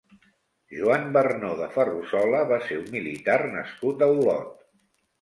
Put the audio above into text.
Joan Barnó de Ferrusola va ser un militar nascut a Olot.